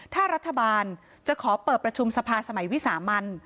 ถ้ารัฐบาลจะขอเปิดประชุมสภาสมัยวิสามัน